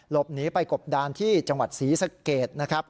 หลบหนีไปกบดานที่จังหวัดศรีสะเกดนะครับ